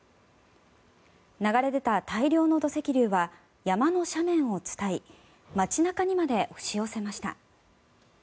流れ出た大量の土石流は山の斜面を伝い街中にまで押し寄せました。